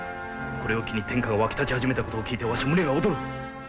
これを機に天下は沸き立ち始めたことを聞いてわしは胸が躍る！